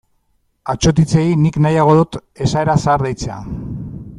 Atsotitzei nik nahiago dut esaera zahar deitzea.